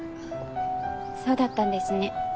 そうだったんですね。